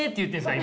今。